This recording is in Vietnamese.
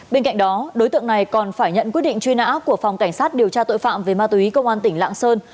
bên cạnh đó đối tượng này còn phải nhận quyết định truy nã của phòng cảnh sát điều tra tội phạm về ma túy công an tỉnh lạng sơn